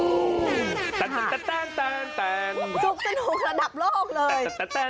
สนุกระดับโลกเลย